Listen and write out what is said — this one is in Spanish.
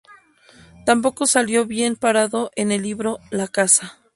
Tampoco salió bien parado en el libro "La caza.